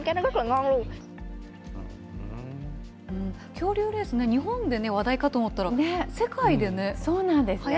恐竜レースね、日本で話題かと思ったら、そうなんですね。